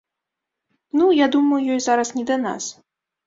Ну, я думаю, ёй зараз не да нас.